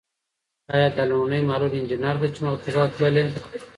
ایا دا لومړنۍ معلول انجنیر ده چې فضا ته تللې؟